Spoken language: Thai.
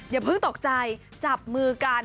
อย่าเพิ่งตกใจจับมือกัน